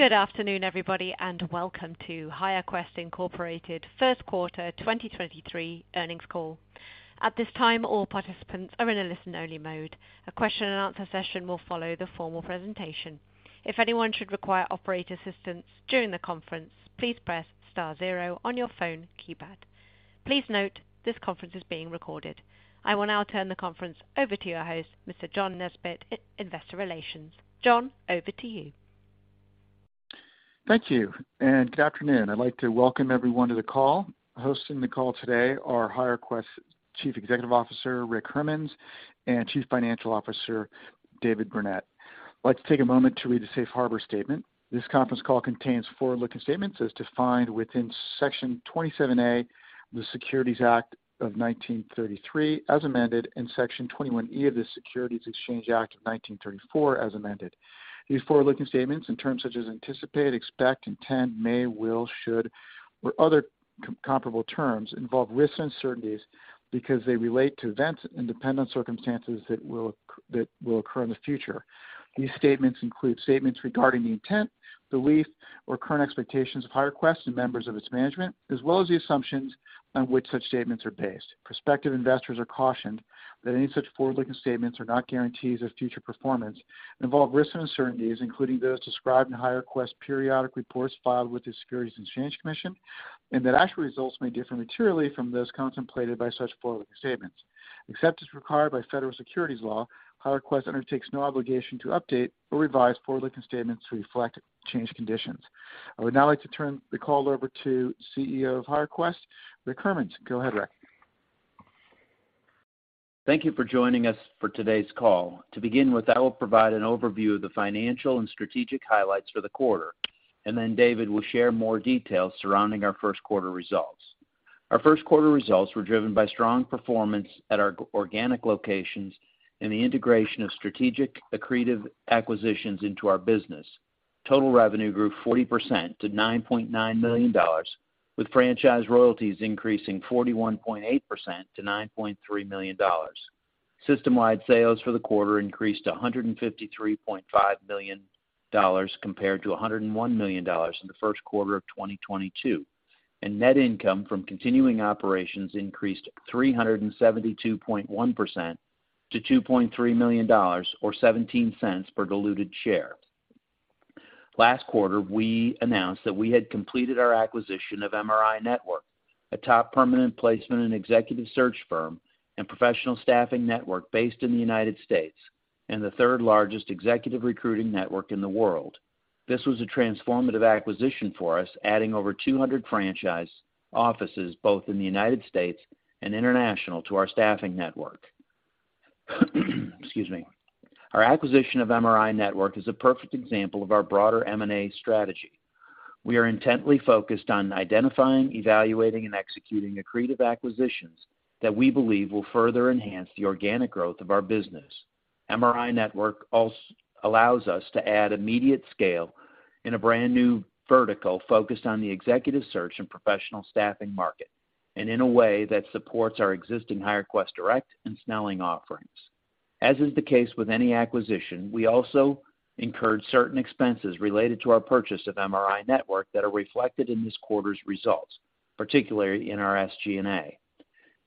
Good afternoon, everybody. Welcome to HireQuest, Inc. Q1 2023 Earnings Call. At this time, all participants are in a listen-only mode. A question and answer session will follow the formal presentation. If anyone should require operator assistance during the conference, please press star zero on your phone keypad. Please note this conference is being recorded. I will now turn the conference over to your host, Mr. John Nesbett, Investor Relations. John, over to you. Thank you. Good afternoon. I'd like to welcome everyone to the call. Hosting the call today are HireQuest Chief Executive Officer, Rick Hermanns, and Chief Financial Officer, David Burnett. I'd like to take a moment to read a safe harbor statement. This conference call contains forward-looking statements as defined within section 27A, the Securities Act of 1933, as amended in section 21E of the Securities Exchange Act of 1934, as amended. These forward-looking statements in terms such as anticipate, expect, intend, may, will, should, or other comparable terms involve risks and uncertainties because they relate to events and independent circumstances that will occur in the future. These statements include statements regarding the intent, belief, or current expectations of HireQuest and members of its management, as well as the assumptions on which such statements are based. Prospective investors are cautioned that any such forward-looking statements are not guarantees of future performance and involve risks and uncertainties, including those described in HireQuest periodic reports filed with the Securities and Exchange Commission, and that actual results may differ materially from those contemplated by such forward-looking statements. Except as required by federal securities law, HireQuest undertakes no obligation to update or revise forward-looking statements to reflect changed conditions. I would now like to turn the call over to CEO of HireQuest, Rick Hermanns. Go ahead, Rick. Thank you for joining us for today's call. To begin with, I will provide an overview of the financial and strategic highlights for the quarter, then David will share more details surrounding our Q1 results. Our Q1 results were driven by strong performance at our organic locations and the integration of strategic accretive acquisitions into our business. Total revenue grew 40% to $9.9 million, with franchise royalties increasing 41.8% to $9.3 million. System-wide sales for the quarter increased to $153.5 million compared to $101 million in the Q1 of 2022. Net income from continuing operations increased 372.1% to $2.3 million or $0.17 per diluted share. Last quarter, we announced that we had completed our acquisition of MRINetwork, a top permanent placement and executive search firm and professional staffing network based in the United States, and the third largest executive recruiting network in the world. This was a transformative acquisition for us, adding over 200 franchise offices both in the United States and international to our staffing network. Excuse me. Our acquisition of MRINetwork is a perfect example of our broader M&A strategy. We are intently focused on identifying, evaluating, and executing accretive acquisitions that we believe will further enhance the organic growth of our business. MRINetwork allows us to add immediate scale in a brand-new vertical focused on the executive search and professional staffing market, and in a way that supports our existing HireQuest Direct and Snelling offerings. As is the case with any acquisition, we also incurred certain expenses related to our purchase of MRINetwork that are reflected in this quarter's results, particularly in our SG&A.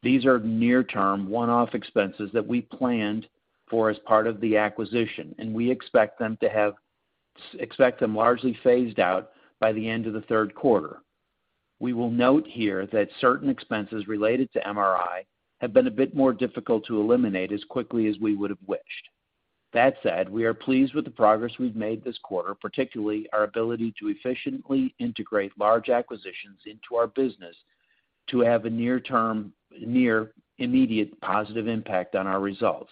These are near-term one-off expenses that we planned for as part of the acquisition. We expect them largely phased out by the end of the Q3. We will note here that certain expenses related to MRI have been a bit more difficult to eliminate as quickly as we would have wished. That said, we are pleased with the progress we've made this quarter, particularly our ability to efficiently integrate large acquisitions into our business to have a near immediate positive impact on our results.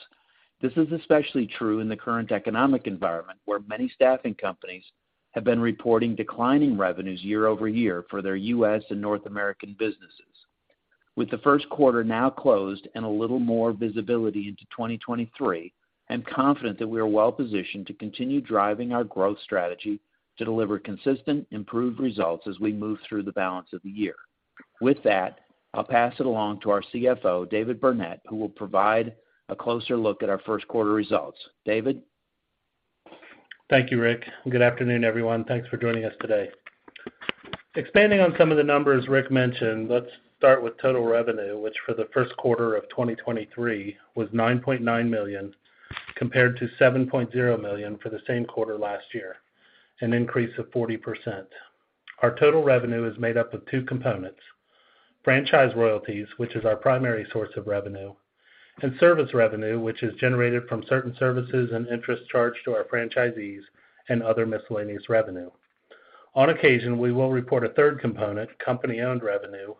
This is especially true in the current economic environment, where many staffing companies have been reporting declining revenues year-over-year for their U.S. and North American businesses. With the Q1 now closed and a little more visibility into 2023, I'm confident that we are well-positioned to continue driving our growth strategy to deliver consistent improved results as we move through the balance of the year. With that, I'll pass it along to our CFO, David Burnett, who will provide a closer look at our Q1 results. David? Thank you, Rick. Good afternoon, everyone. Thanks for joining us today. Expanding on some of the numbers Rick mentioned, let's start with total revenue, which for the Q1 of 2023 was $9.9 million, compared to $7.0 million for the same quarter last year, an increase of 40%. Our total revenue is made up of two components: franchise royalties, which is our primary source of revenue, and service revenue, which is generated from certain services and interest charged to our franchisees and other miscellaneous revenue. On occasion, we will report a third component, company-owned revenue,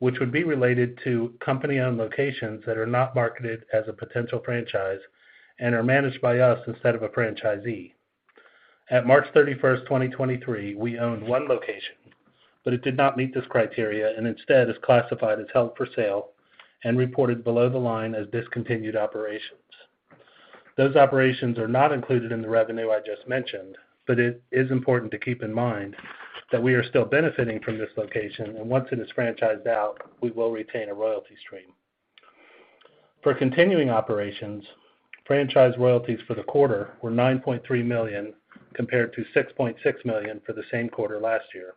which would be related to company-owned locations that are not marketed as a potential franchise and are managed by us instead of a franchisee. At March 31, 2023, we owned one location, but it did not meet this criteria and instead is classified as held for sale and reported below the line as discontinued operations. Those operations are not included in the revenue I just mentioned, but it is important to keep in mind that we are still benefiting from this location, and once it is franchised out, we will retain a royalty stream. For continuing operations, franchise royalties for the quarter were $9.3 million, compared to $6.6 million for the same quarter last year,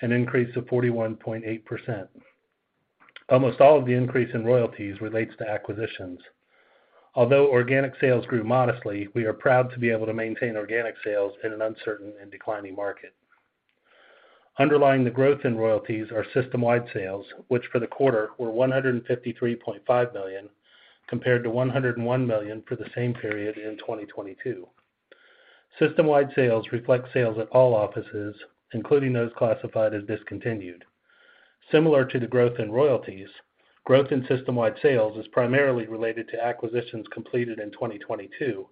an increase of 41.8%. Almost all of the increase in royalties relates to acquisitions. Although organic sales grew modestly, we are proud to be able to maintain organic sales in an uncertain and declining market. Underlying the growth in royalties are system-wide sales, which for the quarter were $153.5 million, compared to $101 million for the same period in 2022. System-wide sales reflect sales at all offices, including those classified as discontinued. Similar to the growth in royalties, growth in system-wide sales is primarily related to acquisitions completed in 2022.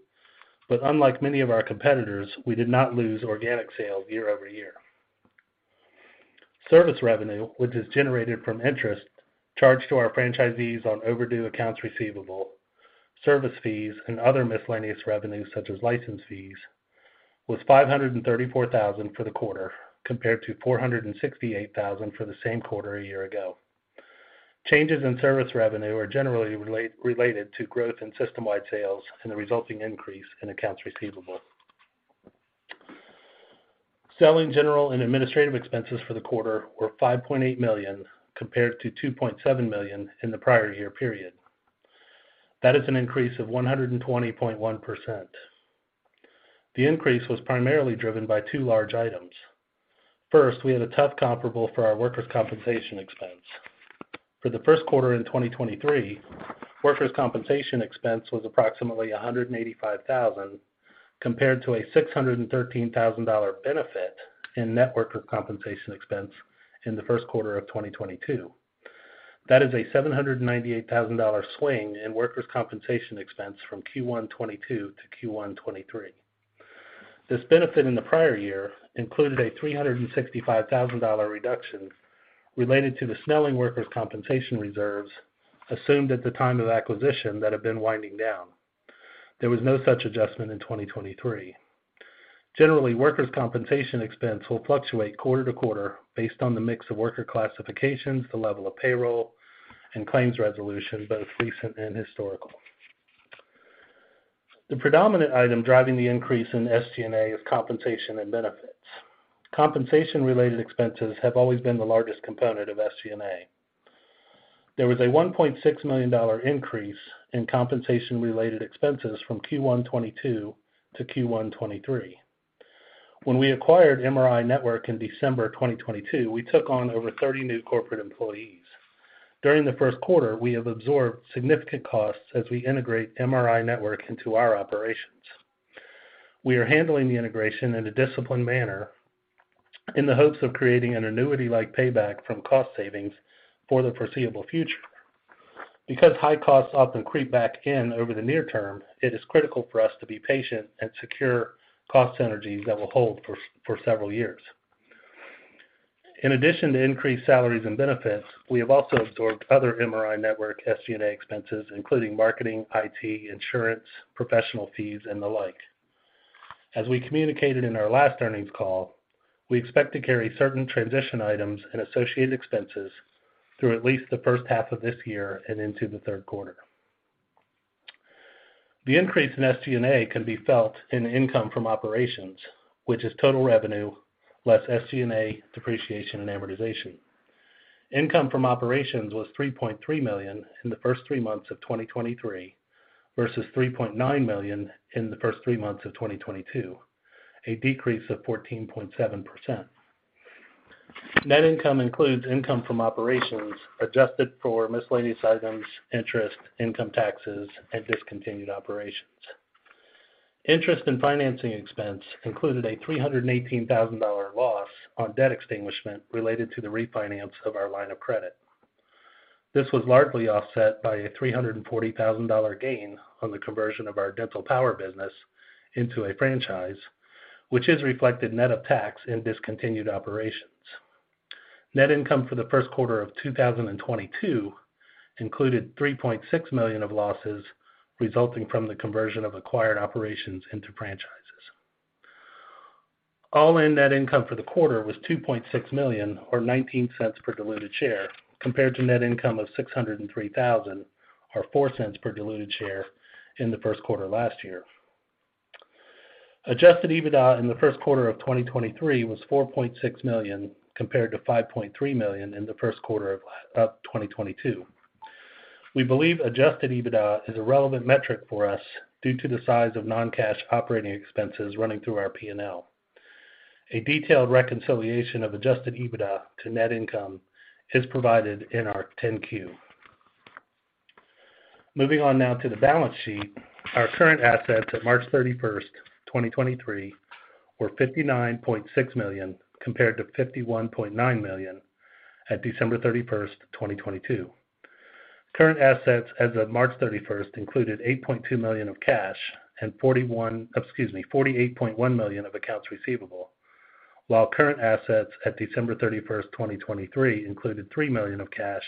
Unlike many of our competitors, we did not lose organic sales year-over-year. Service revenue, which is generated from interest charged to our franchisees on overdue accounts receivable, service fees and other miscellaneous revenues such as license fees, was $534,000 for the quarter, compared to $468,000 for the same quarter a year ago. Changes in service revenue are generally related to growth in system-wide sales and the resulting increase in accounts receivable. Selling, general, and administrative expenses for the quarter were $5.8 million, compared to $2.7 million in the prior year period. That is an increase of 120.1%. The increase was primarily driven by two large items. First, we had a tough comparable for our workers' compensation expense. For the Q1 in 2023, workers' compensation expense was approximately $185,000, compared to a $613,000 benefit in net workers' compensation expense in the Q1 of 2022. That is a $798,000 swing in workers' compensation expense from Q1 2022 to Q1 2023. This benefit in the prior year included a $365,000 reduction related to the Snelling workers' compensation reserves assumed at the time of acquisition that have been winding down. There was no such adjustment in 2023. Generally, workers' compensation expense will fluctuate quarter-to-quarter based on the mix of worker classifications, the level of payroll, and claims resolution, both recent and historical. The predominant item driving the increase in SG&A is compensation and benefits. Compensation related expenses have always been the largest component of SG&A. There was a $1.6 million increase in compensation related expenses from Q1 2022 to Q1 2023. When we acquired MRINetwork in December 2022, we took on over 30 new corporate employees. During the first quarter, we have absorbed significant costs as we integrate MRINetwork into our operations. We are handling the integration in a disciplined manner in the hopes of creating an annuity-like payback from cost savings for the foreseeable future. High costs often creep back in over the near term, it is critical for us to be patient and secure cost synergies that will hold for several years. In addition to increased salaries and benefits, we have also absorbed other MRINetwork SG&A expenses, including marketing, IT, insurance, professional fees, and the like. As we communicated in our last earnings call, we expect to carry certain transition items and associated expenses through at least the first half of this year and into the Q3 The increase in SG&A can be felt in income from operations, which is total revenue less SG&A depreciation and amortization. Income from operations was $3.3 million in the first three months of 2023 versus $3.9 million in the first three months of 2022, a decrease of 14.7%. Net income includes income from operations adjusted for miscellaneous items, interest, income taxes, and discontinued operations. Interest and financing expense included a $318,000 loss on debt extinguishment related to the refinance of our line of credit. This was largely offset by a $340,000 gain on the conversion of our Dental Power business into a franchise, which is reflected net of tax in discontinued operations. Net income for the Q1 of 2022 included $3.6 million of losses resulting from the conversion of acquired operations into franchises. All-in net income for the quarter was $2.6 million or $0.19 per diluted share, compared to net income of $603,000 or $0.04 per diluted share in the Q1 last year. Adjusted EBITDA in the Q1 of 2023 was $4.6 million compared to $5.3 million in the Q1 of 2022. We believe adjusted EBITDA is a relevant metric for us due to the size of non-cash operating expenses running through our P&L. A detailed reconciliation of adjusted EBITDA to net income is provided in our 10-Q. Moving on now to the balance sheet. Our current assets at March 31, 2023, were $59.6 million compared to $51.9 million at December 31, 2022. Current assets as of March 31 included $8.2 million of cash and $48.1 million of accounts receivable, while current assets at December 31, 2023, included $3 million of cash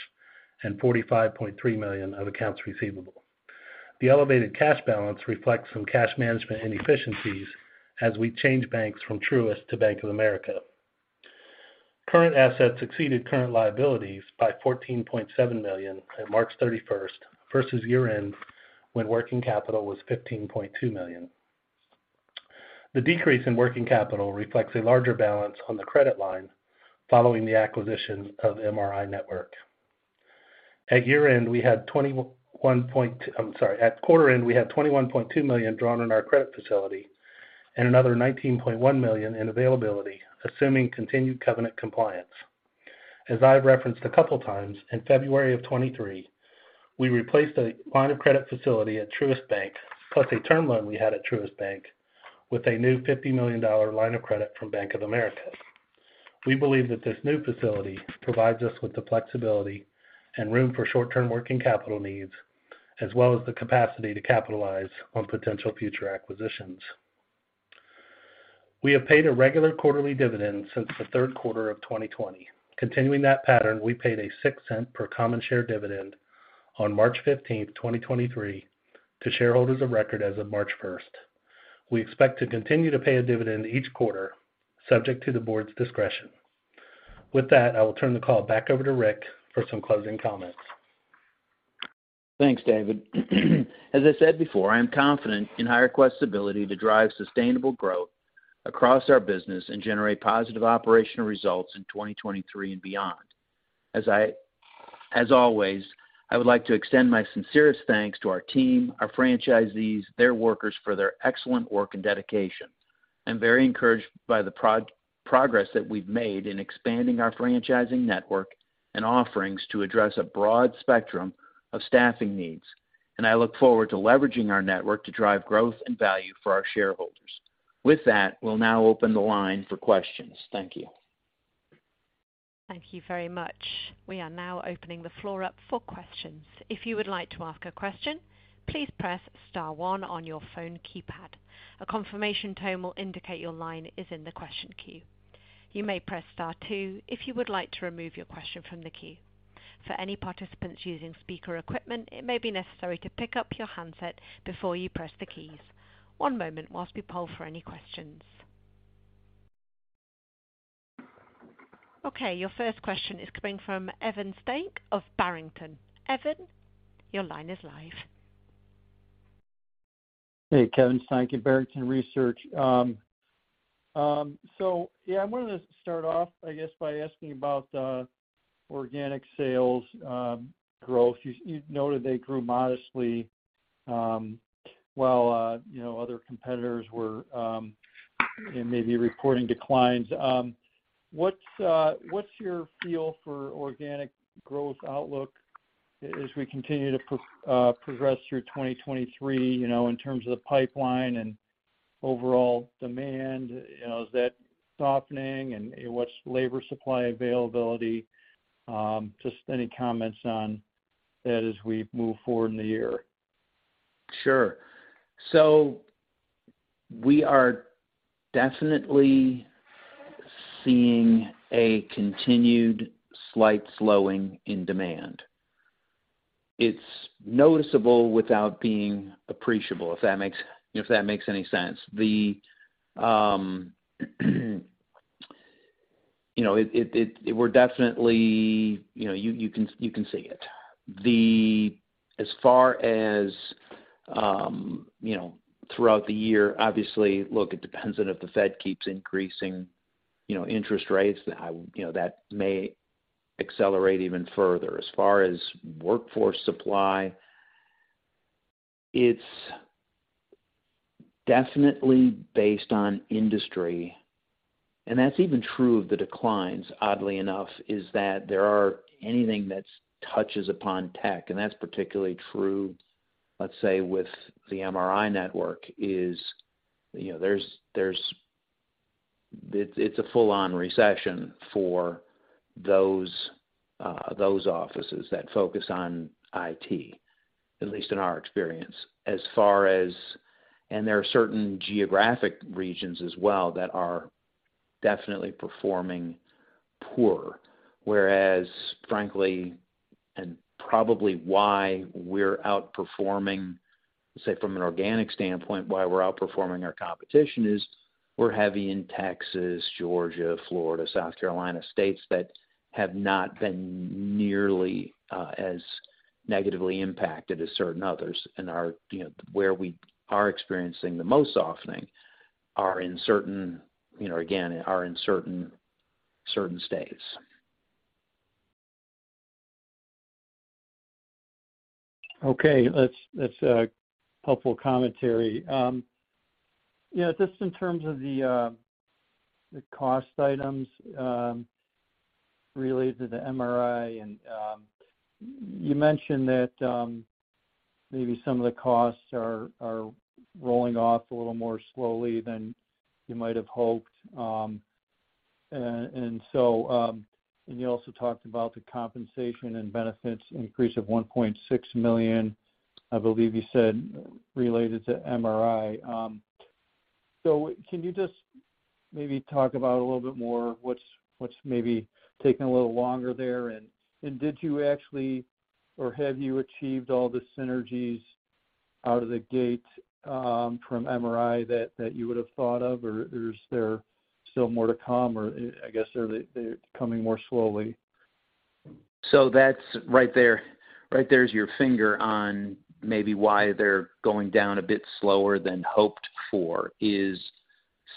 and $45.3 million of accounts receivable. The elevated cash balance reflects some cash management inefficiencies as we change banks from Truist to Bank of America. Current assets exceeded current liabilities by $14.7 million at March 31 versus year-end, when working capital was $15.2 million. The decrease in working capital reflects a larger balance on the credit line following the acquisition of MRINetwork. At quarter end, we had $21.2 million drawn in our credit facility and another $19.1 million in availability, assuming continued covenant compliance. As I've referenced a couple of times, in February of 2023, we replaced a line of credit facility at Truist Bank, plus a term loan we had at Truist Bank with a new $50 million line of credit from Bank of America. We believe that this new facility provides us with the flexibility and room for short-term working capital needs, as well as the capacity to capitalize on potential future acquisitions. We have paid a regular quarterly dividend since the Q3 of 2020. Continuing that pattern, we paid a $0.06 per common share dividend on March 15, 2023 to shareholders of record as of March 1. We expect to continue to pay a dividend each quarter, subject to the board's discretion. With that, I will turn the call back over to Rick for some closing comments. Thanks, David. As I said before, I am confident in HireQuest's ability to drive sustainable growth across our business and generate positive operational results in 2023 and beyond. As always, I would like to extend my sincerest thanks to our team, our franchisees, their workers for their excellent work and dedication. I'm very encouraged by the progress that we've made in expanding our franchising network and offerings to address a broad spectrum of staffing needs. And I look forward to leveraging our network to drive growth and value for our shareholders. With that, we'll now open the line for questions. Thank you. Thank you very much. We are now opening the floor up for questions. If you would like to ask a question, please press star one on your phone keypad. A confirmation tone will indicate your line is in the question queue. You may press star two if you would like to remove your question from the queue. For any participants using speaker equipment, it may be necessary to pick up your handset before you press the keys. One moment whilst we poll for any questions. Okay, your first question is coming from Kevin Steinke of Barrington. Kevin, your line is live. Hey, Kevin Steinke of Barrington Research. Yeah, I wanted to start off, I guess, by asking about organic sales growth. You noted they grew modestly, while, you know, other competitors were, you know, maybe reporting declines. What's, what's your feel for organic growth outlook as we continue to progress through 2023, you know, in terms of the pipeline and overall demand? You know, is that softening? What's labor supply availability? Just any comments on that as we move forward in the year. Sure. We are definitely seeing a continued slight slowing in demand. It's noticeable without being appreciable, if that makes any sense. The, you know, it, we're definitely, you know, you can see it. As far as, you know, throughout the year, obviously, look, it depends on if the Fed keeps increasing, you know, interest rates. I would, you know, that may accelerate even further. As far as workforce supply, it's definitely based on industry. That's even true of the declines, oddly enough, is that there are anything that's touches upon tech, and that's particularly true, let's say, with the MRINetwork, is, you know, there's a full-on recession for those offices that focus on IT, at least in our experience. As far as. There are certain geographic regions as well that are definitely performing poor, whereas frankly, and probably why we're outperforming, say from an organic standpoint, why we're outperforming our competition is we're heavy in Texas, Georgia, Florida, South Carolina, states that have not been nearly as negatively impacted as certain others. Are, you know, where we are experiencing the most softening are in certain, you know, again, are in certain states. Okay, that's a helpful commentary. Yeah, just in terms of the cost items related to MRI and you mentioned that maybe some of the costs are rolling off a little more slowly than you might have hoped. You also talked about the compensation and benefits increase of $1.6 million, I believe you said, related to MRI. Can you just maybe talk about a little bit more what's taking a little longer there? Did you actually or have you achieved all the synergies out of the gate from MRI that you would have thought of? Is there still more to come? I guess they're coming more slowly. That's Right there, right there is your finger on maybe why they're going down a bit slower than hoped for, is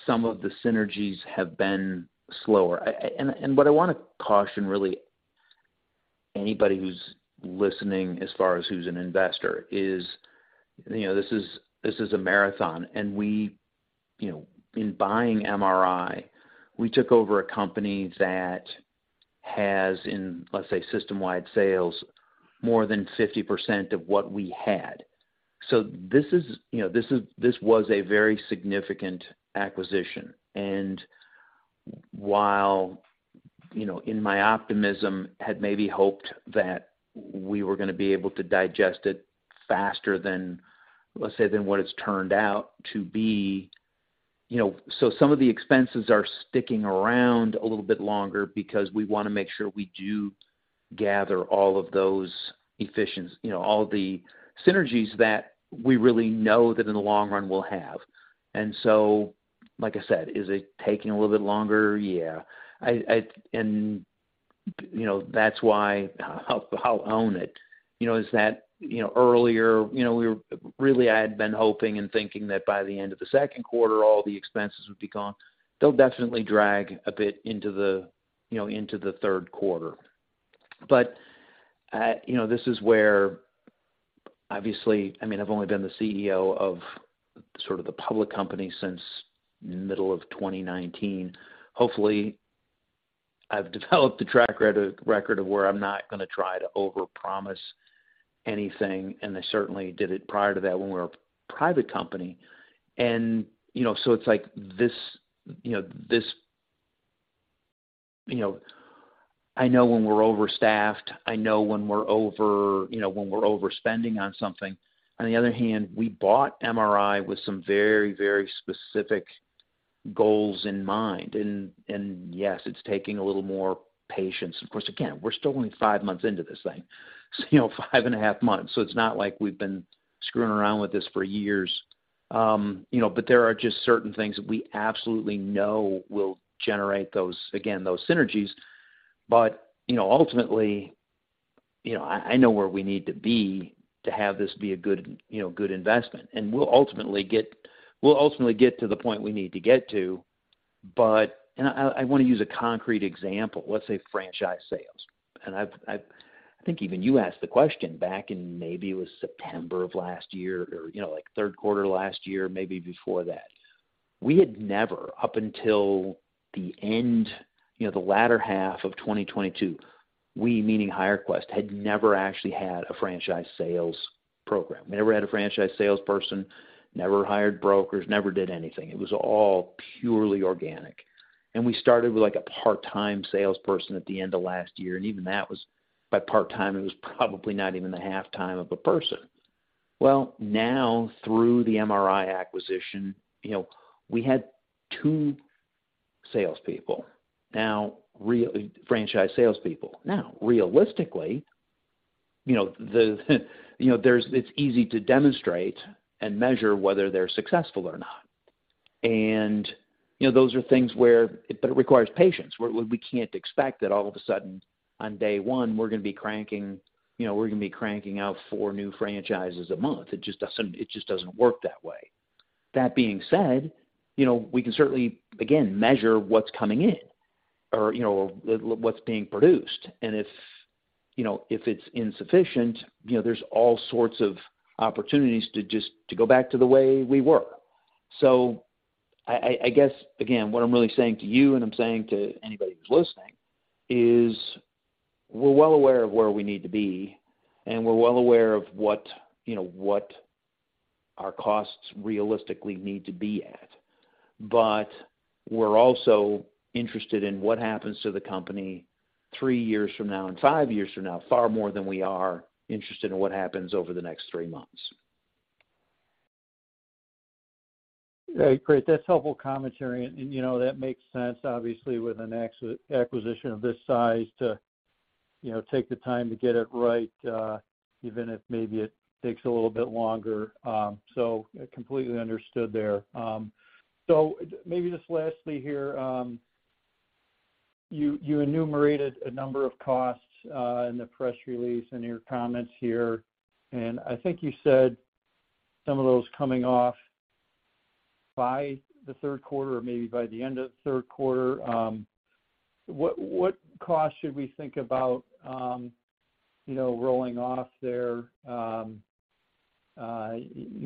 some of the synergies have been slower. and what I want to caution, really, anybody who's listening as far as who's an investor is, you know, this is, this is a marathon, and we, you know, in buying MRI, we took over a company that has in, let's say, system-wide sales, more than 50% of what we had. This is, you know, this is, this was a very significant acquisition. While, you know, in my optimism, had maybe hoped that we were gonna be able to digest it faster than, let's say, than what it's turned out to be, you know. Some of the expenses are sticking around a little bit longer because we wanna make sure we do gather all of those you know, all the synergies that we really know that in the long run we'll have. Like I said, is it taking a little bit longer? Yeah. And, you know, that's why I'll own it. You know, is that, you know, earlier, you know, Really, I had been hoping and thinking that by the end of the Q2, all the expenses would be gone. They'll definitely drag a bit into the, you know, into the Q3. You know, this is where obviously. I mean, I've only been the CEO of sort of the public company since middle of 2019. Hopefully, I've developed a track record of where I'm not gonna try to overpromise anything, and I certainly did it prior to that when we were a private company. You know, so it's like this, you know. I know when we're overstaffed, I know when we're over, you know, when we're overspending on something. On the other hand, we bought MRI with some very specific goals in mind. Yes, it's taking a little more patience. Of course, again, we're still only five months into this thing, so you know, five and a half months. It's not like we've been screwing around with this for years. You know, there are just certain things that we absolutely know will generate those, again, those synergies. You know, ultimately, you know, I know where we need to be to have this be a good, you know, good investment. We'll ultimately get to the point we need to get to. I wanna use a concrete example. Let's say franchise sales. I've, I think even you asked the question back in maybe it was September of last year or, you know, like Q3 last year, maybe before that. We had never, up until the end, you know, the latter half of 2022, we, meaning HireQuest, had never actually had a franchise sales program. Never had a franchise salesperson. Never hired brokers. Never did anything. It was all purely organic. We started with, like, a part-time salesperson at the end of last year, and even that was, by part-time, it was probably not even the halftime of a person. Well, now through the MRI acquisition, you know, we had two salespeople. Now, franchise salespeople. Now, realistically, you know, there's it's easy to demonstrate and measure whether they're successful or not. You know, those are things where it requires patience, where we can't expect that all of a sudden on day one we're gonna be cranking, you know, we're gonna be cranking out four new franchises a month. It just doesn't work that way. That being said, you know, we can certainly, again, measure what's coming in or, you know, what's being produced. If, you know, if it's insufficient, you know, there's all sorts of opportunities to just, to go back to the way we were. I guess, again, what I'm really saying to you and I'm saying to anybody who's listening is we're well aware of where we need to be, and we're well aware of what, you know, what our costs realistically need to be at. We're also interested in what happens to the company three years from now and five years from now, far more than we are interested in what happens over the next three months. Yeah. Great. That's helpful commentary and, you know, that makes sense obviously with an acquisition of this size to, you know, take the time to get it right, even if maybe it takes a little bit longer. Completely understood there. Maybe just lastly here, you enumerated a number of costs in the press release and your comments here, and I think you said some of those coming off by the Q3 or maybe by the end of the Q3. What, what cost should we think about, you know, rolling off there? You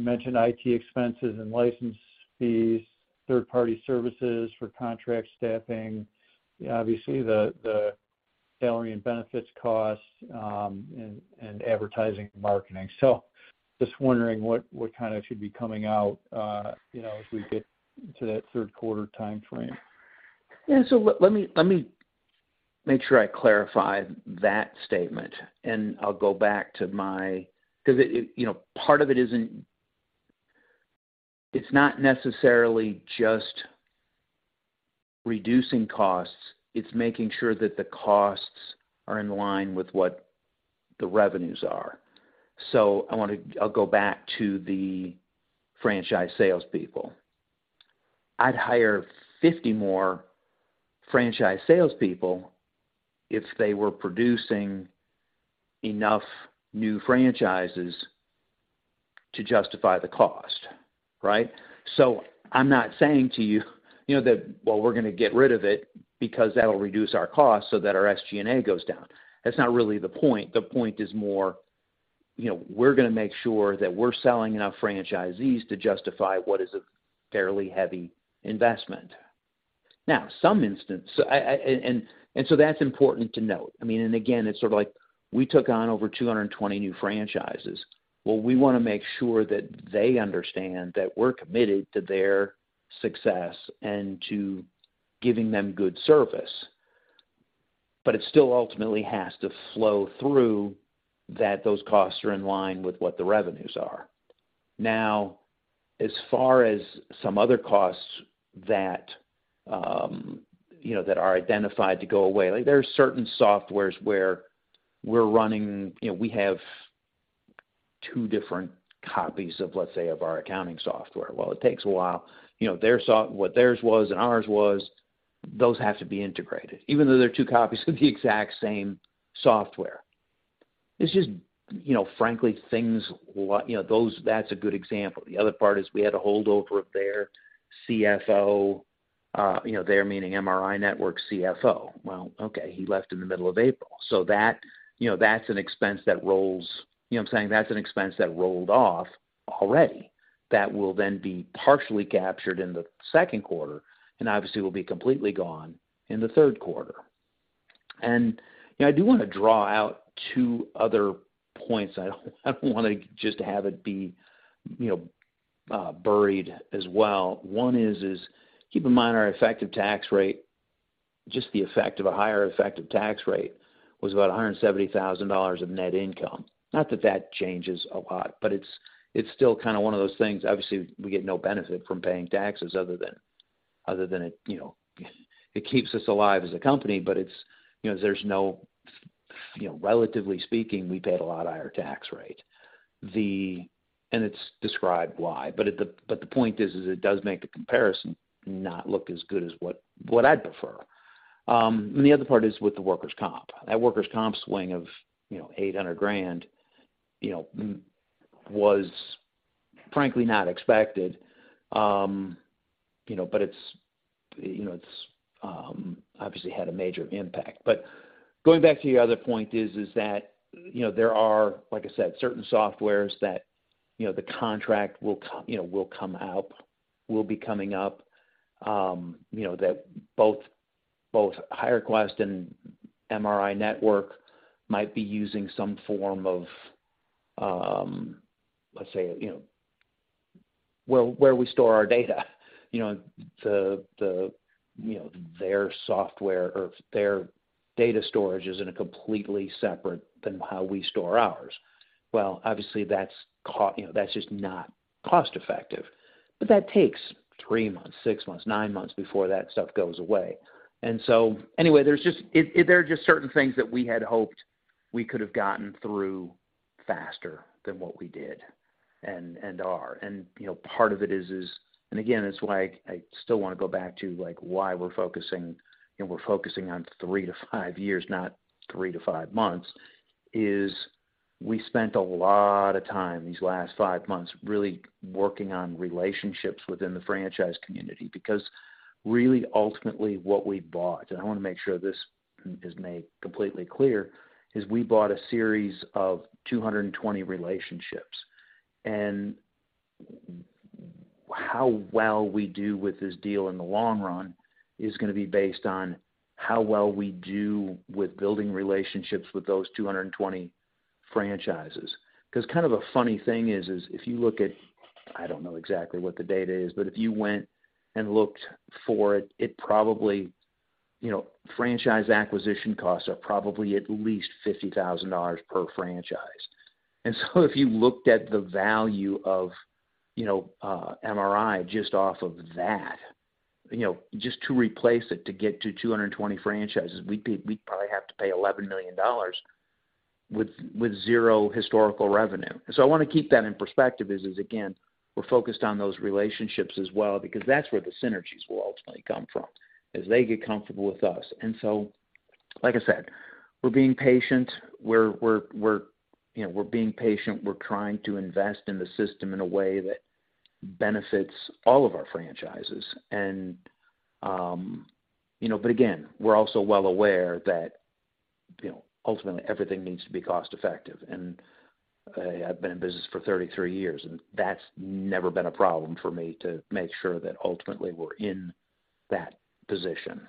mentioned IT expenses and license fees, third-party services for contract staffing, obviously the salary and benefits costs, and advertising and marketing. Just wondering what kind of should be coming out as we get to that Q3 timeframe? Yeah. Let me make sure I clarify that statement, because it's not necessarily just reducing costs. It's making sure that the costs are in line with what the revenues are. I'll go back to the franchise salespeople. I'd hire 50 more franchise salespeople if they were producing enough new franchises to justify the cost, right? I'm not saying to you know, that, well, we're gonna get rid of it because that'll reduce our costs so that our SG&A goes down. That's not really the point. The point is more, you know, we're gonna make sure that we're selling enough franchisees to justify what is a fairly heavy investment. Now, that's important to note. I mean, again, it's sort of like we took on over 220 new franchises. Well, we wanna make sure that they understand that we're committed to their success and to giving them good service. It still ultimately has to flow through that those costs are in line with what the revenues are. As far as some other costs that, you know, that are identified to go away. Like, there are certain software where we're running, you know, we have two different copies of our accounting software. Well, it takes a while. You know, what theirs was and ours was, those have to be integrated even though they're two copies of the exact same software. It's just, you know, frankly, things, you know, those, that's a good example. The other part is we had a holdover of their CFO, you know, their meaning MRINetwork CFO. Okay, he left in the middle of April. That's an expense that rolled off already that will then be partially captured in the Q2 and obviously will be completely gone in the Q3. I do wanna draw out two other points. I don't wanna just have it be, you know, buried as well. One is keep in mind our effective tax rate, just the effect of a higher effective tax rate was about $170,000 of net income. Not that that changes a lot, but it's still one of those things. Obviously, we get no benefit from paying taxes other than it, you know, it keeps us alive as a company, but it's, you know, there's no, you know, relatively speaking, we paid a lot higher tax rate. It's described why. The point is it does make the comparison not look as good as what I'd prefer. The other part is with the workers' comp. That workers' comp swing of, you know, $800 grand, you know, was frankly not expected. you know, it's, you know, it's obviously had a major impact. Going back to your other point is that, you know, there are, like I said, certain software that, you know, the contract will come up, will be coming up, you know, that both HireQuest and MRINetwork might be using some form of, let's say, you know, where we store our data. You know, the, you know, their software or their data storage is in a completely separate than how we store ours. Obviously, that's you know, that's just not cost-effective. That takes three months, six months, nine months before that stuff goes away. Anyway, there's just. There are just certain things that we had hoped we could have gotten through faster than what we did and are. You know, part of it is. Again, it's like I still wanna go back to, like, why we're focusing, you know, we're focusing on three to five years, not three to five months, is we spent a lot of time these last five months really working on relationships within the franchise community. Really ultimately what we bought, and I wanna make sure this is made completely clear, is we bought a series of 220 relationships. How well we do with this deal in the long run is gonna be based on how well we do with building relationships with those 220 franchises. Kind of a funny thing is if you look at, I don't know exactly what the data is, but if you went and looked for it probably, you know, franchise acquisition costs are probably at least $50,000 per franchise. If you looked at the value of, you know, MRI just off of that, you know, just to replace it to get to 220 franchises, we'd probably have to pay $11 million with zero historical revenue. I wanna keep that in perspective is again, we're focused on those relationships as well because that's where the synergies will ultimately come from as they get comfortable with us. Like I said, we're being patient. You know, we're being patient. We're trying to invest in the system in a way that benefits all of our franchises. You know, but again, we're also well aware that, you know, ultimately everything needs to be cost-effective. I've been in business for 33 years, and that's never been a problem for me to make sure that ultimately we're in that position.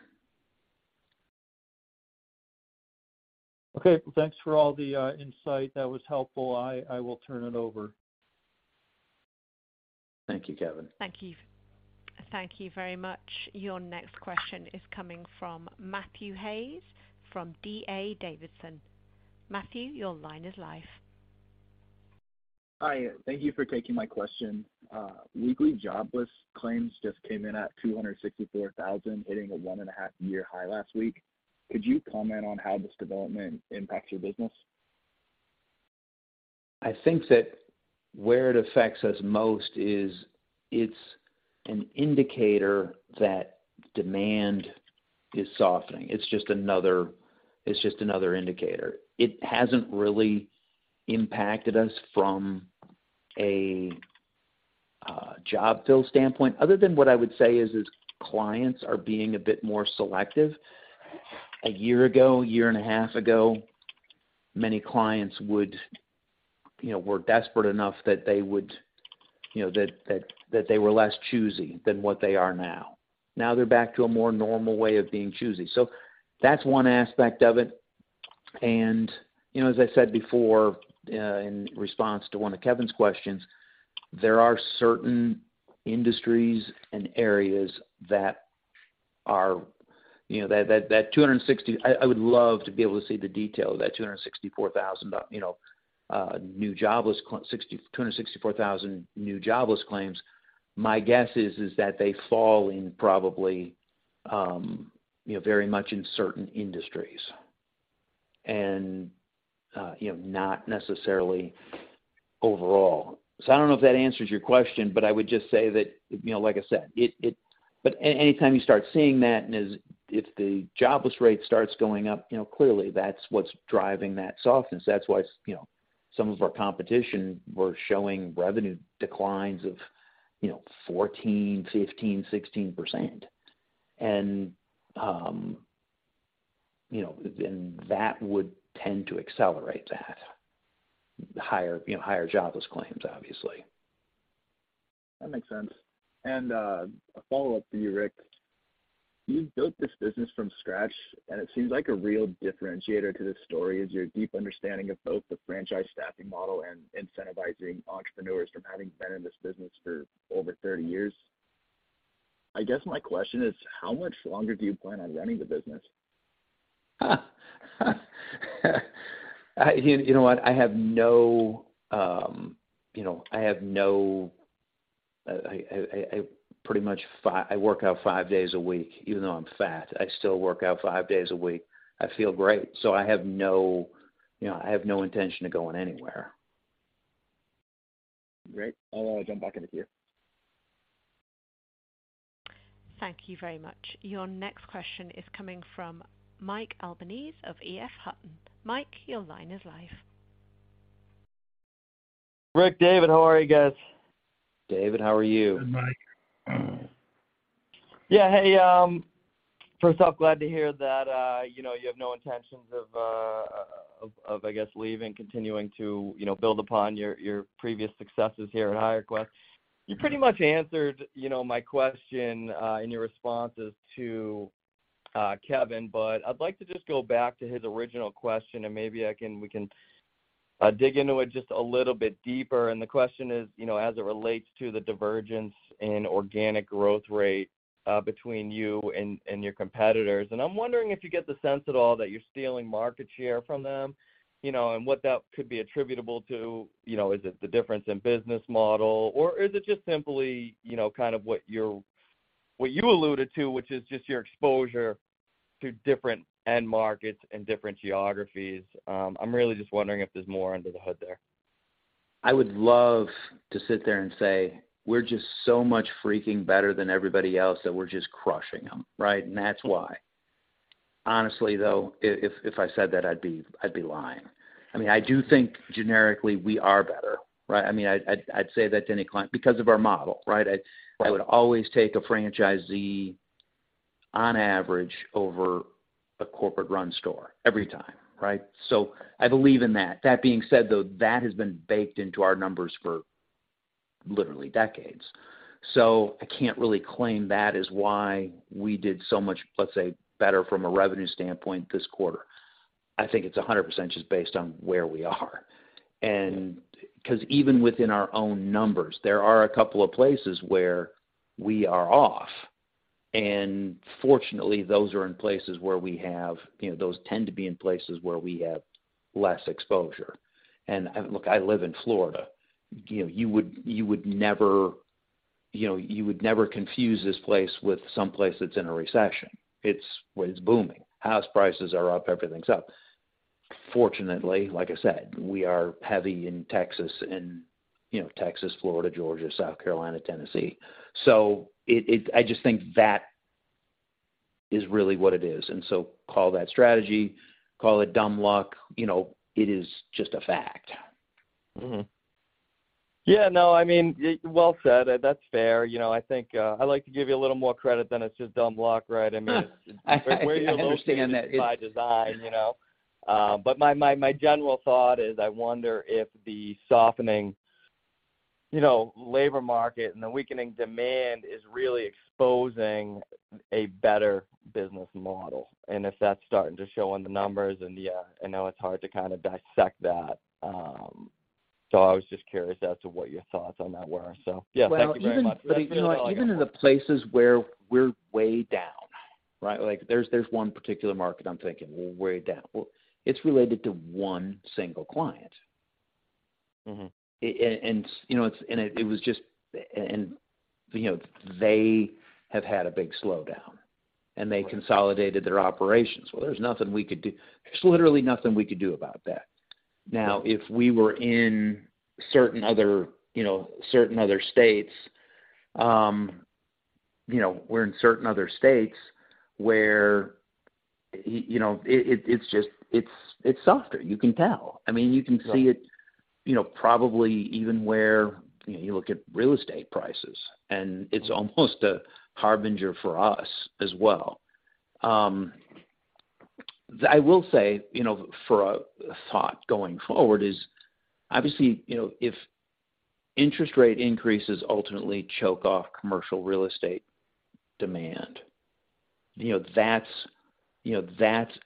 Okay. Thanks for all the insight. That was helpful. I will turn it over. Thank you, Kevin. Thank you very much. Your next question is coming from Matthew Hayes from D.A. Davidson. Matthew, your line is live. Hi. Thank you for taking my question. weekly jobless claims just came in at 264,000, hitting a one-and-a-half year high last week. Could you comment on how this development impacts your business? I think that where it affects us most is it's an indicator that demand is softening. It's just another indicator. It hasn't really impacted us from a job fill standpoint, other than what I would say is, clients are being a bit more selective. A year ago, a year and a half ago, many clients would, you know, were desperate enough that they would, you know, that they were less choosy than what they are now. Now they're back to a more normal way of being choosy. That's one aspect of it. You know, as I said before, in response to one of Kevin's questions, there are certain industries and areas that are, you know, that 260. I would love to be able to see the detail of that 264,000 new jobless claims. My guess is that they fall in probably, you know, very much in certain industries and, you know, not necessarily overall. I don't know if that answers your question, but I would just say that, anytime you start seeing that and as if the jobless rate starts going up, you know, clearly that's what's driving that softness. That's why you know, some of our competition were showing revenue declines of, you know, 14%, 15%, 16%. you know, and that would tend to accelerate that higher jobless claims, obviously. That makes sense. A follow-up for you, Rick. You've built this business from scratch, and it seems like a real differentiator to this story is your deep understanding of both the franchise staffing model and incentivizing entrepreneurs from having been in this business for over 30 years. I guess my question is, how much longer do you plan on running the business? You know what? I pretty much work out five days a week, even though I'm fat, I still work out five days a week. I feel great. I have no intention of going anywhere. Great. I'll jump back into queue. Thank you very much. Your next question is coming from Mike of EF Hutton. Mike, your line is live. Rick, David, how are you guys? David, how are you? Good, Mike. Yeah. Hey, first off, glad to hear that, you know, you have no intentions of, I guess, leaving continuing to, you know, build upon your previous successes here at HireQuest. You pretty much answered, you know, my question in your responses to Kevin, I'd like to just go back to his original question and maybe we can dig into it just a little bit deeper. The question is, you know, as it relates to the divergence in organic growth rate between you and your competitors. I'm wondering if you get the sense at all that you're stealing market share from them, you know, and what that could be attributable to. You know, is it the difference in business model, or is it just simply, you know, kind of what you're, what you alluded to, which is just your exposure to different end markets and different geographies? I'm really just wondering if there's more under the hood there. I would love to sit there and say, "We're just so much freaking better than everybody else that we're just crushing them," right? That's why. Honestly, though, if I said that I'd be lying. I mean, I do think generically we are better, right? I mean, I'd say that to any client because of our model, right? Right. I would always take a franchisee on average over a corporate-run store every time, right? I believe in that. That being said, though, that has been baked into our numbers for literally decades. I can't really claim that is why we did so much, let's say, better from a revenue standpoint this quarter. I think it's 100% just based on where we are. Because even within our own numbers, there are a couple of places where we are off, and fortunately, those are in places where we have, you know, those tend to be in places where we have less exposure. And look, I live in Florida. You know, you would never, you know, you would never confuse this place with some place that's in a recession. Well, it's booming. House prices are up, everything's up. Fortunately, like I said, we are heavy in Texas and, you know, Texas, Florida, Georgia, South Carolina, Tennessee. I just think that is really what it is. Call that strategy, call it dumb luck, you know, it is just a fact. Yeah, no, I mean, well said. That's fair. You know, I think, I'd like to give you a little more credit than it's just dumb luck, right? I mean. I understand that. By design, you know, my general thought is, I wonder if the softening, you know, labor market and the weakening demand is really exposing a better business model, and if that's starting to show in the numbers and, yeah. I know it's hard to kind of dissect that. I was just curious as to what your thoughts on that were. Yeah, thank you very much. Well, even, but even in the places where we're way down, right? Like there's one particular market I'm thinking way down. Well, it's related to one single client. They have had a big slowdown, and they consolidated their operations. Well, there's nothing we could do. There's literally nothing we could do about that. Now, if we were in certain other, you know, certain other states, you know, we're in certain other states where you know, it's just, it's softer. You can tell. I mean, you can see it, you know, probably even where, you know, you look at real estate prices, and it's almost a harbinger for us as well. I will say, you know, for a thought going forward is obviously, you know, if interest rate increases ultimately choke off commercial real estate demand, you know, that's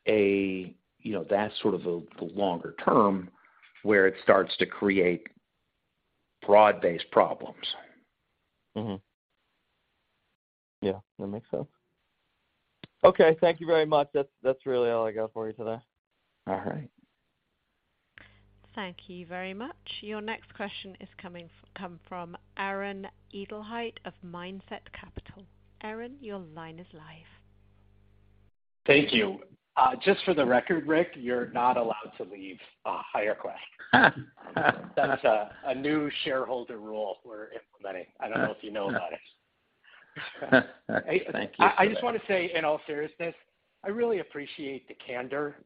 a, you know, that's sort of the longer term where it starts to create broad-based problems. Yeah, that makes sense. Okay, thank you very much. That's really all I got for you today. All right. Thank you very much. Your next question is coming come from Aaron Edelheit of Mindset Capital. Aaron, your line is live. Thank you. Just for the record, Rick, you're not allowed to leave, HireQuest. That's a new shareholder rule we're implementing. I don't know if you know about it. Thank you. I just wanna say, in all seriousness, I really appreciate the candor.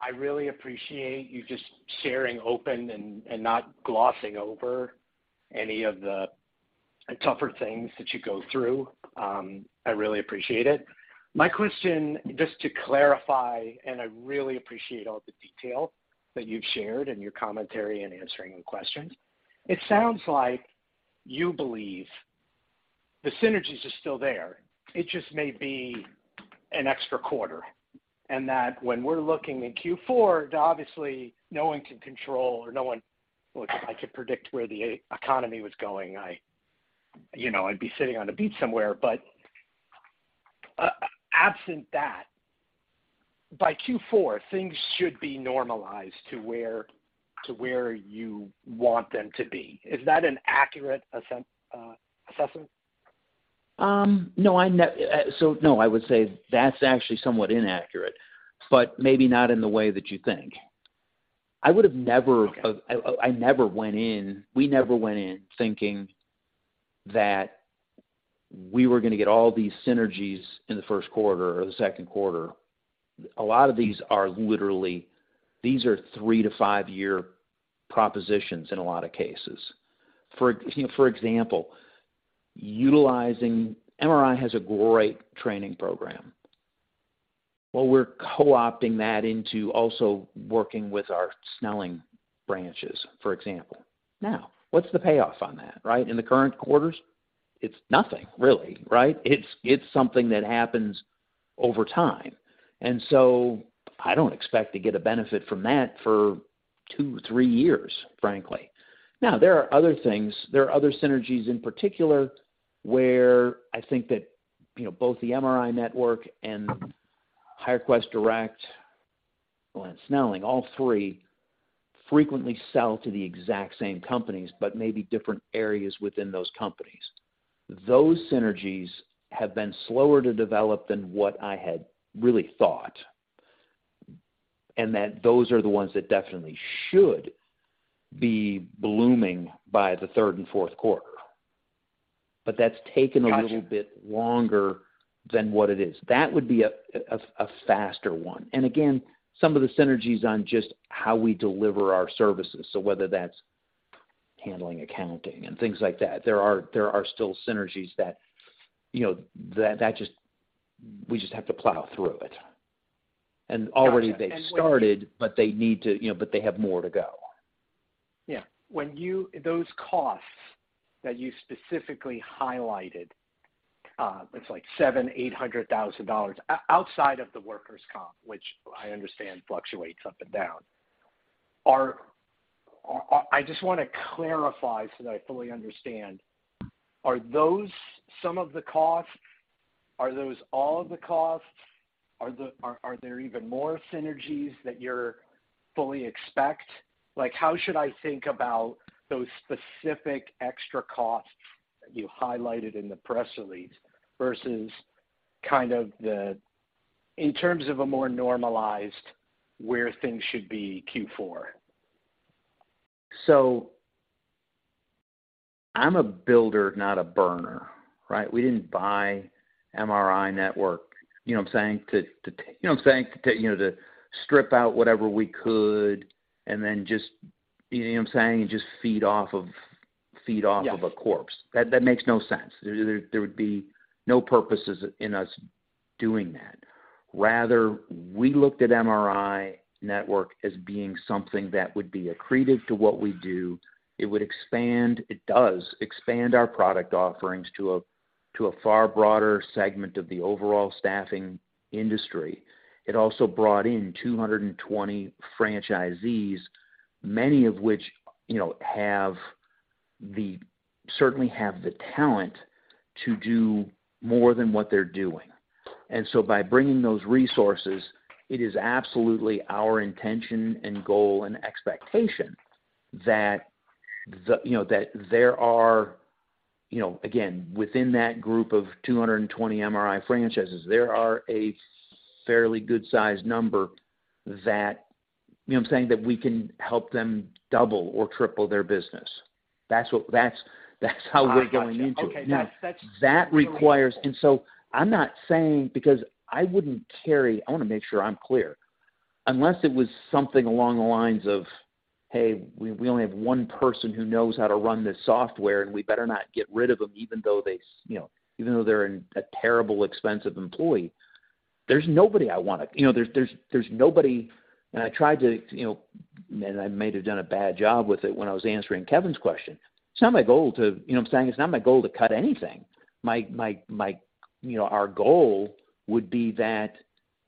I really appreciate you just sharing open and not glossing over any of the tougher things that you go through. I really appreciate it. My question, just to clarify, and I really appreciate all the detail that you've shared in your commentary and answering the questions. It sounds like you believe the synergies are still there. It just may be an extra quarter. That when we're looking in Q4, obviously no one can control or Look, if I could predict where the e-economy was going, I, you know, I'd be sitting on a beach somewhere. Absent that, by Q4, things should be normalized to where you want them to be. Is that an accurate assessment? No, no, I would say that's actually somewhat inaccurate, but maybe not in the way that you think. I would've never-We never went in thinking that we were going to get all these synergies in the Q1 or the Q2. A lot of these are literally, these are three to five-year propositions in a lot of cases. For, you know, for example, MRI has a great training program. Well, we're co-opting that into also working with our Snelling branches, for example. Now, what's the payoff on that, right? In the current quarters, it's nothing really, right? It's something that happens over time, and so I don't expect to get a benefit from that for two, three years, frankly. Now, there are other things, there are other synergies in particular where I think that, you know, both the MRI network and HireQuest Direct and Snelling, all three frequently sell to the exact same companies, but maybe different areas within those companies. Those synergies have been slower to develop than what I had really thought, and that those are the ones that definitely should be blooming by the third and Q4. a little bit longer than what it is. That would be a faster one. Again, some of the synergies on just how we deliver our services. Whether that's handling accounting and things like that, there are still synergies that, you know, We just have to plow through it. Already they've started, but they need to, you know, but they have more to go. Yeah. When those costs that you specifically highlighted, it's like $700,000 to $800,000, outside of the workers' comp, which I understand fluctuates up and down. I just wanna clarify so that I fully understand. Are those some of the costs? Are those all of the costs? Are there even more synergies that you're fully expect? Like, how should I think about those specific extra costs that you highlighted in the press release versus kind of in terms of a more normalized, where things should be Q4? I'm a builder, not a burner, right? We didn't buy MRINetwork, you know what I'm saying? To, you know what I'm saying? To you know, to strip out whatever we could and then just, you know what I'm saying? And just feed off of a corpse. Yeah. That makes no sense. There would be no purposes in us doing that. Rather, we looked at MRINetwork as being something that would be accretive to what we do. It does expand our product offerings to a far broader segment of the overall staffing industry. It also brought in 220 franchisees, many of which, you know, have the, certainly have the talent to do more than what they're doing. By bringing those resources, it is absolutely our intention and goal and expectation that the, you know, that there are, you know, again, within that group of 220 MRI franchises, there are a fairly good size number that, you know what I'm saying, that we can help them double or triple their business. That's how we're going into it. I got you. Okay. That's really cool. I want to make sure I'm clear. Unless it was something along the lines of, "Hey, we only have one person who knows how to run this software, and we better not get rid of them, even though they, you know, even though they're a terrible, expensive employee." There's nobody I wanna. You know, there's nobody. I tried to, you know, and I may have done a bad job with it when I was answering Kevin's question. It's not my goal to, you know what I'm saying, it's not my goal to cut anything. My, you know, our goal would be that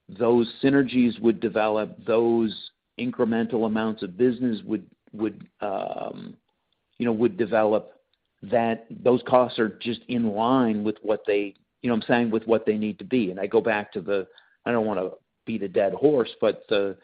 those synergies would develop, those incremental amounts of business would, you know, would develop, that those costs are just in line with what they, you know what I'm saying, with what they need to be. I go back to the, I don't wanna beat a dead horse, but the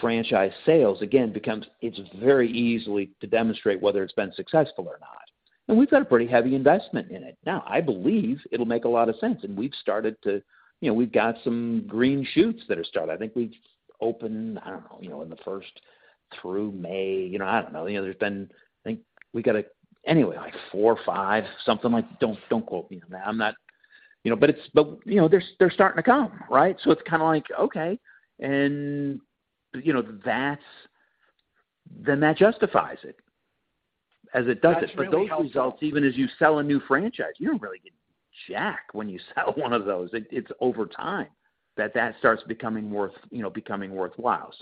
franchise sales, again, becomes. It's very easy to demonstrate whether it's been successful or not. We've got a pretty heavy investment in it. Now, I believe it'll make a lot of sense. We've started to, you know, we've got some green shoots that are starting. I think we opened, I don't know, you know, in the first through May, you know, I don't know. You know, there's been, I think we got, anyway, like four or five, something like. Don't quote me on that. You know, they're starting to come, right? It's kind like, okay. That justifies it as it does it. That's really helpful. Those results, even as you sell a new franchise, you don't really get jack when you sell one of those. It's over time that that starts becoming worth, you know, becoming worthwhile.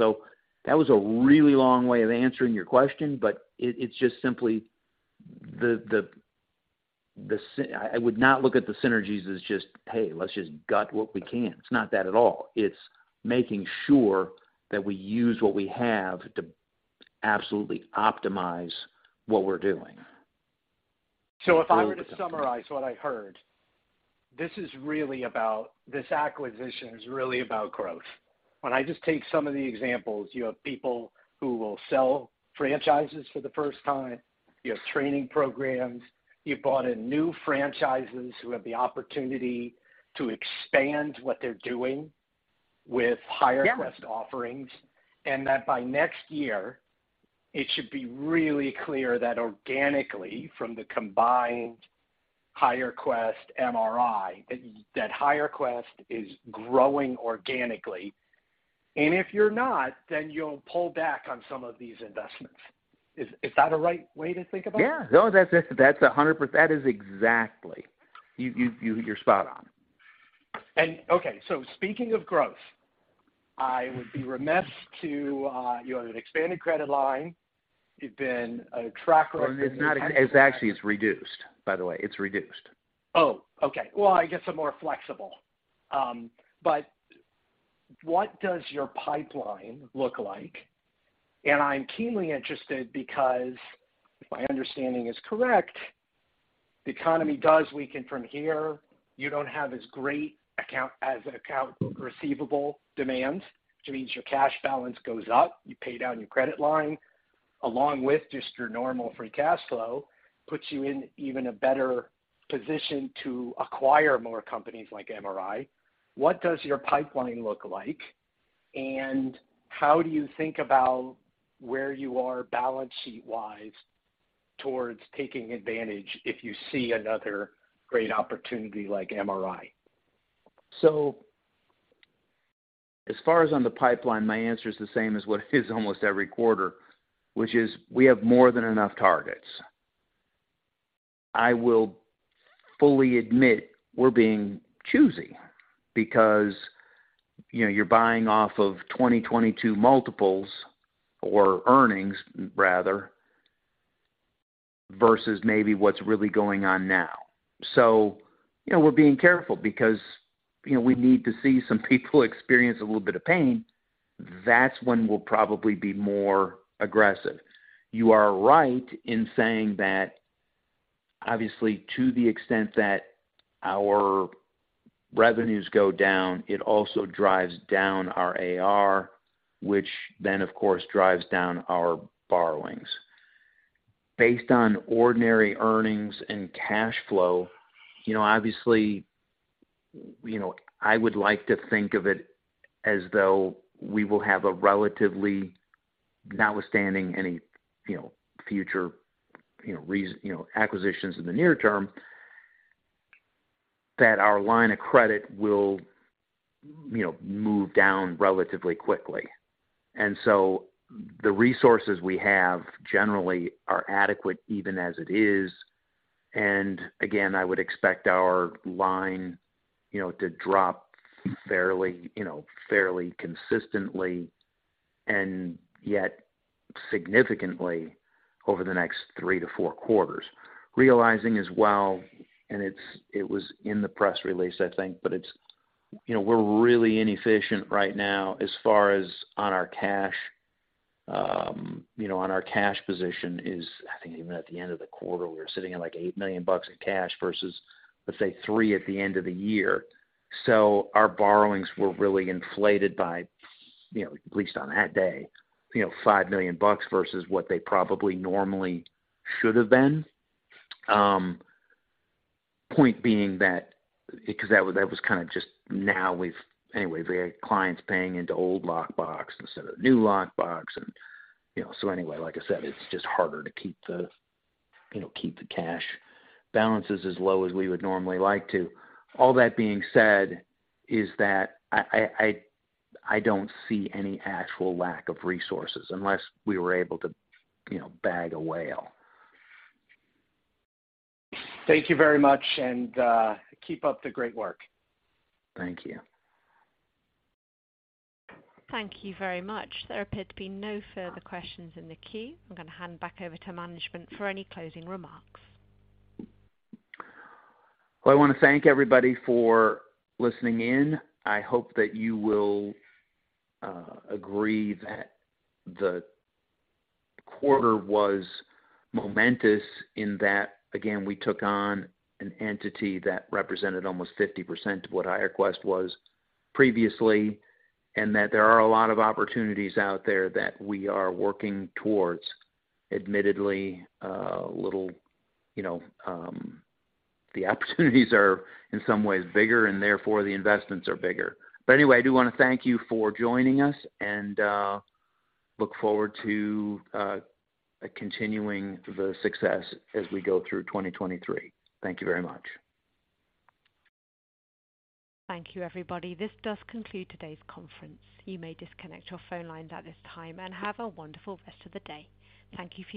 That was a really long way of answering your question, but I would not look at the synergies as just, hey, let's just gut what we can. It's not that at all. It's making sure that we use what we have to absolutely optimize what we're doing. If I were to summarize what I heard, this acquisition is really about growth. I just take some of the examples, you have people who will sell franchises for the first time. You have training programs. You've brought in new franchises who have the opportunity to expand what they're doing with HireQuest offerings. Yes. That by next year, it should be really clear that organically from the combined HireQuest, MRI, that HireQuest is growing organically. If you're not, then you'll pull back on some of these investments. Is that a right way to think about it? Yeah. No. That's 100%. That is exactly. You're spot on. Okay, speaking of growth, you have an expanded credit line. You've been a track record- It's actually, it's reduced, by the way. Okay. Well, I guess a more flexible. What does your pipeline look like? I'm keenly interested because if my understanding is correct, the economy does weaken from here. You don't have as great account receivable demands, which means your cash balance goes up. You pay down your credit line, along with just your normal free cash flow, puts you in even a better position to acquire more companies like MRI. What does your pipeline look like? How do you think about where you are balance sheet-wise towards taking advantage if you see another great opportunity like MRI? As far as on the pipeline, my answer is the same as what it is almost every quarter, which is we have more than enough targets. I will fully admit we're being choosy because, you know, you're buying off of 2022 multiples or earnings rather, versus maybe what's really going on now. You know, we're being careful because, you know, we need to see some people experience a little bit of pain. That's when we'll probably be more aggressive. You are right in saying that obviously, to the extent that our revenues go down, it also drives down our AR, which then of course drives down our borrowings. Based on ordinary earnings and cash flow, you know, obviously, you know, I would like to think of it as though we will have a relatively, notwithstanding any, you know, acquisitions in the near term, that our line of credit will, you know, move down relatively quickly. The resources we have generally are adequate even as it is. I would expect our line, you know, to drop fairly consistently and yet significantly over the next three to four quarters. Realizing as well, it's, it was in the press release, I think, but it's, you know, we're really inefficient right now as far as on our cash, you know, on our cash position is I think even at the end of the quarter, we were sitting at, like, $8 million in cash versus, let's say, $3 million at the end of the year. Our borrowings were really inflated by, you know, at least on that day, you know, $5 million versus what they probably normally should have been. Point being that because that was kind of. Anyway, we had clients paying into old lockbox instead of new lockbox and, you know. Anyway, like I said, it's just harder to keep the, you know, keep the cash balances as low as we would normally like to. All that being said is that I don't see any actual lack of resources unless we were able to bag a whale. Thank you very much, and keep up the great work. Thank you. Thank you very much. There appear to be no further questions in the queue. I'm gonna hand back over to management for any closing remarks. Well, I wanna thank everybody for listening in. I hope that you will agree that the quarter was momentous in that, again, we took on an entity that represented almost 50% of what HireQuest was previously, and that there are a lot of opportunities out there that we are working towards. Admittedly, you know, the opportunities are in some ways bigger, and therefore, the investments are bigger. Anyway, I do wanna thank you for joining us and look forward to continuing the success as we go through 2023. Thank you very much. Thank you, everybody. This does conclude today's conference. You may disconnect your phone lines at this time, and have a wonderful rest of the day. Thank you for your participation.